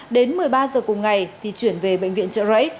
đến một mươi ba giờ cùng ngày thì chuyển về bệnh viện trợ rẫy